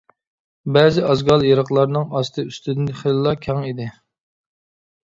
بەزى ئازگال، يېرىقلارنىڭ ئاستى ئۈستىدىن خېلىلا كەڭ ئىدى.